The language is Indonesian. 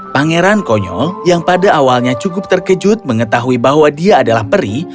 pangeran konyol yang pada awalnya cukup terkejut mengetahui bahwa dia adalah peri